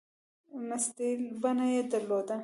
مستطیل بڼه یې درلوده.